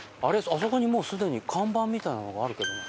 あそこにもうすでに看板みたいなのがあるけどな。